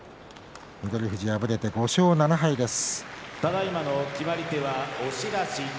翠富士、敗れて５勝７敗です。